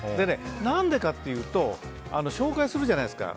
何でかというと紹介するじゃないですか。